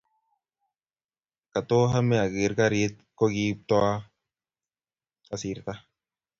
Katohame aker karit koKiptooa asirita